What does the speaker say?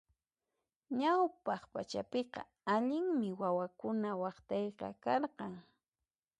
Ñawpaq pachapiqa allinmi wawakuna waqtayqa karqan.